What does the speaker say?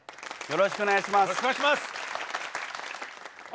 よろしくお願いします。